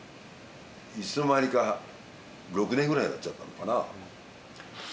いつの間にか６年ぐらいになっちゃったのかな。